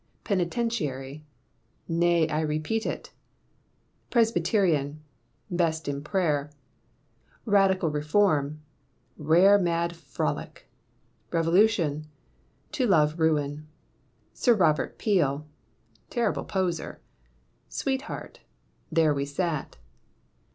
Penitentiary............Nay I repeat it. Presbyterian............Best in prayer. Radical Reform..........Rare mad frolic. Revolution..............To love ruin. Sir Robert Peel.........Terrible poser. Sweetheart..............There we sat.